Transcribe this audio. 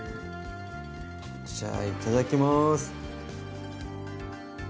じゃあいただきます！